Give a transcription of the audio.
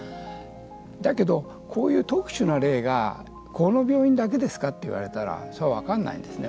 だけど、こういう特殊な例がこの病院だけですかといわれたらそうは分からないですね。